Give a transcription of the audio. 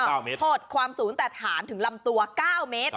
๙เมตรเออโขดความสูงตัดฐานถึงลำตัว๙เมตร